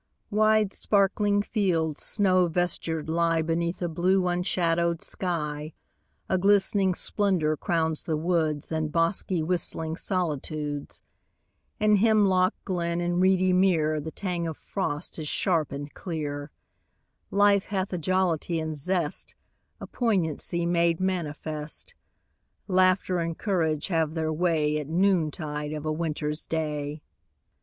II Wide, sparkling fields snow vestured lie Beneath a blue, unshadowed sky; A glistening splendor crowns the woods And bosky, whistling solitudes; In hemlock glen and reedy mere The tang of frost is sharp and clear; Life hath a jollity and zest, A poignancy made manifest; Laughter and courage have their way At noontide of a winter's day.